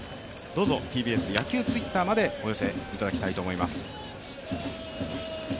どうぞ、ＴＢＳ野球Ｔｗｉｔｔｅｒまでお寄せいただきたいと思います。